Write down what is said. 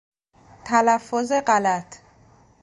تلفظ غلط